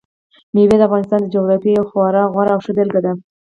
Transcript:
مېوې د افغانستان د جغرافیې یوه خورا غوره او ښه بېلګه ده.